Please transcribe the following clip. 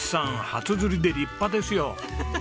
初釣りで立派ですよ。